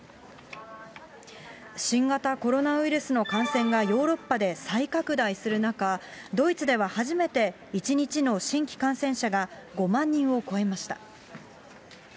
新型コロナウイルスの感染がヨーロッパで再拡大する中、ドイツでは初めて、１日の新規感染者が５万人を超えました。